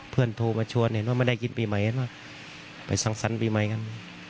เพื่อนโทรมาชวนเห็นว่าไม่ได้กิจปีใหม่แล้วว่าไปสั่งสรรภ์ปีใหม่กัน